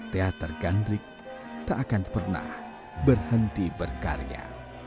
teater gandrik tak akan pernah berhenti berkarya